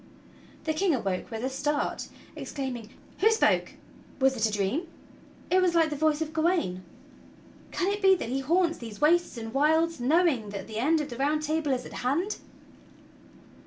The King awoke with a start, exclaiming: "Who spoke? Was it a dream? It was like the voice of Gawain. Can it be that he haunts these wastes and wilds knowing that the end of the Round Table is at hand?"